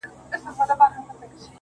در څخه تلم، درته مي ونه کتل ومي بخښه